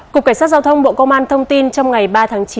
cục cảnh sát giao thông bộ công an thông tin trong ngày ba tháng chín